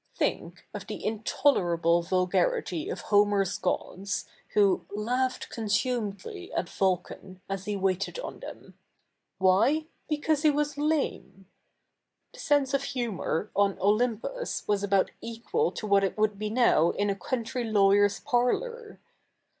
Think of the i7itolerable zudgarity of Home7^s gods, who '' laughed consu??iedly " at Vulca7i, as he waited 07i thetn, — zvhy ? because he zvas la77ie. The se7ise of humour ofi Oly77ipus was about equal to what it would be now in a country laivyer's parlour.